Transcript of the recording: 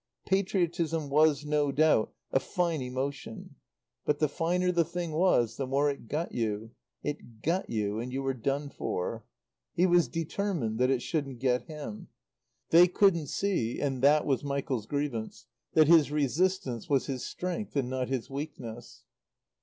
Patriotism was, no doubt, a fine emotion; but the finer the thing was, the more it got you; it got you and you were done for. He was determined that it shouldn't get him. They couldn't see and that was Michael's grievance that his resistance was his strength and not his weakness.